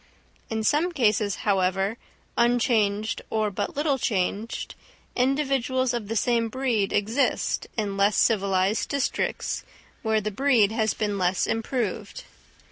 In some cases, however, unchanged, or but little changed, individuals of the same breed exist in less civilised districts, where the breed has been less improved.